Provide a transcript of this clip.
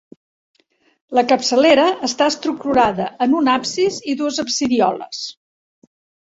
La capçalera està estructurada en un absis i dues absidioles.